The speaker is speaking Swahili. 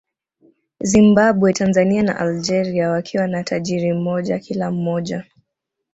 Zimbambwe Tanzania na Algeria wakiwa na tajiri mmoja kila mmoja